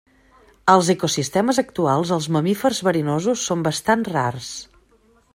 Als ecosistemes actuals, els mamífers verinosos són bastant rars.